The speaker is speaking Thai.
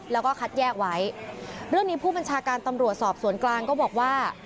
แล้วก็คัดแยกไว้เรื่องนี้ผู้บัญชาการตำรวจสอบสวนกลางก็บอกว่า